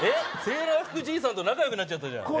セーラー服じいさんと仲良くなっちゃったじゃん